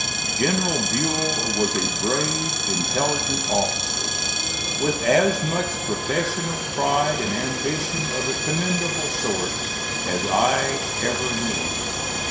General Buell was a brave, intelligent officer, with as much professional pride and ambition of a commendable sort as I ever knew.